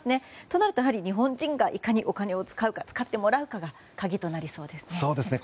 となると、やはり日本人にいかにお金を使ってもらうかが鍵となりそうですね。